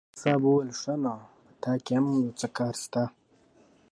ملا صاحب وویل ښه! نو په تا کې هم یو څه کار شته.